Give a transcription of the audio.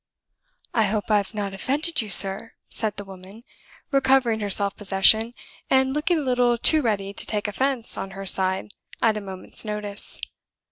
"I hope I've not offended you, sir," said the woman, recovering her self possession, and looking a little too ready to take offense on her side, at a moment's notice.